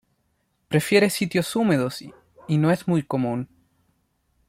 Prefiere sitios húmedos y no es muy común.